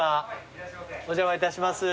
お邪魔いたします。